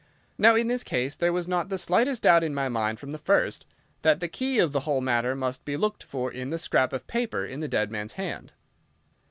Now, in this case there was not the slightest doubt in my mind from the first that the key of the whole matter must be looked for in the scrap of paper in the dead man's hand.